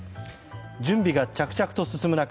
準備が着々と進む中